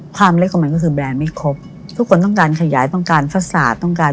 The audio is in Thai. ความเล็กของมันก็คือแบรนด์ไม่ครบทุกคนต้องการขยายต้องการฟาศาสตร์ต้องการ